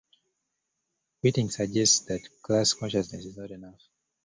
Wittig suggests that class consciousness is not enough.